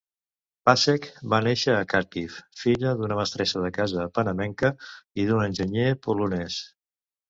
Pasek va néixer a Kharkiv, filla d'una mestressa de casa panamenca i d'un enginyer polonès.